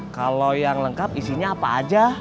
kalau yang lengkap isinya apa aja